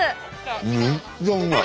めっちゃうまい。